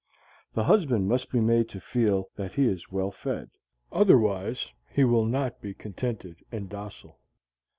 The husband must be made to feel that he is well fed. Otherwise he will not be contented and docile.